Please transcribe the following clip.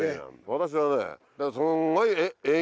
私はね。